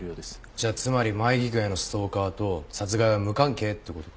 じゃあつまり舞菊へのストーカーと殺害は無関係って事か。